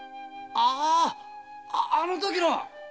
あああの時の？